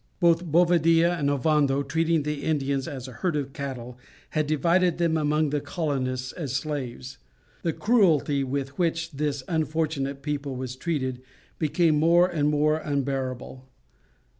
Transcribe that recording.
Both Bovadilla and Ovando treating the Indians as a herd of cattle, had divided them among the colonists as slaves. The cruelty with which this unfortunate people was treated became more and more unbearable.